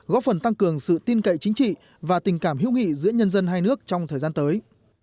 góp phần tăng cường sự tin cậy chính trị và tình cảm hữu nghị giữa nhân dân hai nước trong thời gian tới